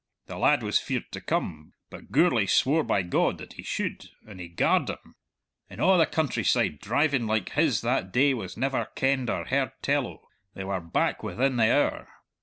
The lad was feared to come, but Gourlay swore by God that he should, and he garred him. In a' the countryside driving like his that day was never kenned or heard tell o'; they were back within the hour!